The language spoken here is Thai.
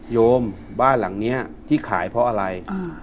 โยมบ้านหลังนี้ที่ขายเพราะอะไร